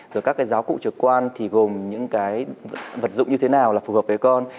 rồi các giáo cụ trực quan thì gồm những vật dụng như thế nào là phù hợp với con